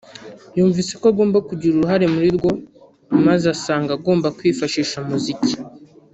yumvise ko agomba kugira uruhare muri rwo maze asanga agomba kwifashisha umuziki